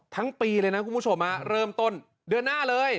ปีเลยนะคุณผู้ชมเริ่มต้นเดือนหน้าเลย